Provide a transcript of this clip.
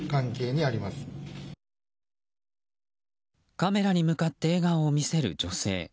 カメラに向かって笑顔を見せる女性。